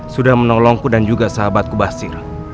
sudah menolongku dan juga sahabatku basir